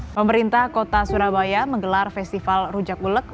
pemerintah kota surabaya menggelar festival rujak ulek